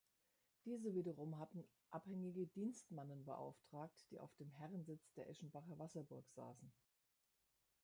Diese wiederum hatten abhängige Dienstmannen beauftragt, die auf dem Herrensitz, der Eschenbacher Wasserburg, saßen.